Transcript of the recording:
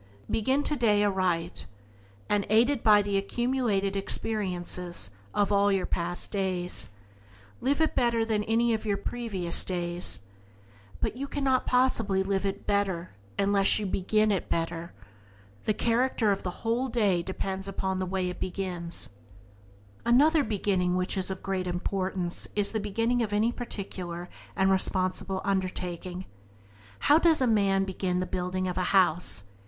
Begin today aright, and, aided by the accumulated experiences of all your past days, live it better than any of your previous days; but you cannot possibly live it better unless you begin it better. The character of the whole day depends upon the way it is begun. Another beginning which is of great importance is the beginning of any particular and responsible undertaking. How does a man begin the building of a house?